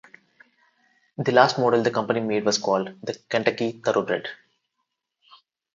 The last model the company made was called The Kentucky Thoroughbred.